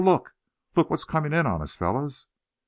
look! look what's coming in on us, fellows!"